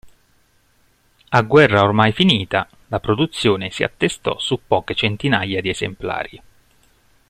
A guerra ormai finita, la produzione si attestò su poche centinaia di esemplari.